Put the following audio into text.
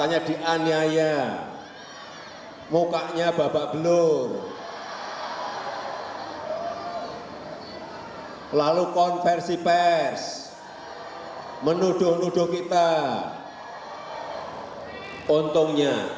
ya saya juga terlalu serang